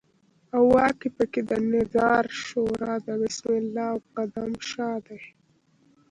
او واک په کې د نظار شورا د بسم الله او قدم شاه دی.